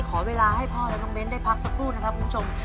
ขอเวลาให้พ่อและน้องเน้นได้พักสักครู่นะครับคุณผู้ชม